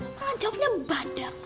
apalah jawabnya badal